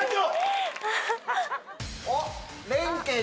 おっ！